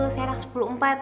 saya anak sepuluh empat